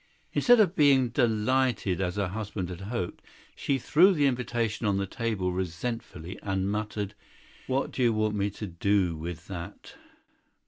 Instead of being delighted, as her husband had hoped, she threw the invitation on the table crossly, muttering: "What do you wish me to do with that?"